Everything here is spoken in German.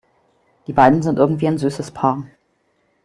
Die beiden sind irgendwie ein süßes Paar.